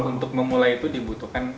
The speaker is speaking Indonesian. untuk memulai itu dibutuhkan